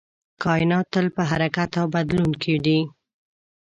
کائنات تل په حرکت او بدلون کې دی.